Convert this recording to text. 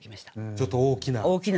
ちょっと大きな。